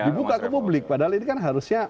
dibuka ke publik padahal ini kan harusnya